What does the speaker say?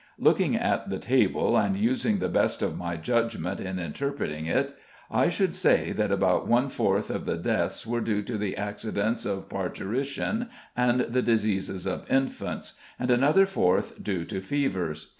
Looking at the table, and using the best of my judgment in interpreting it, I should say that about one fourth of the deaths were due to the accidents of parturition and the diseases of infants, and another fourth due to fevers.